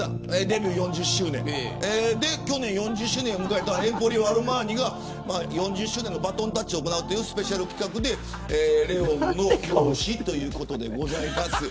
デビュー４０周年去年４０周年を迎えたエンポリオ・アルマーニが４０周年のバトンタッチを行うスペシャル企画でＬＥＯＮの表紙ということでございます。